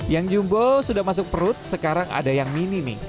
yang jumbo sudah masuk perut sekarang ada yang mini nih